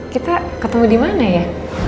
kita ketemu dimana ya